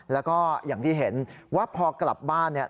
แล้วก็อย่างที่เห็นว่าพอกลับบ้านเนี่ย